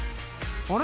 あれ？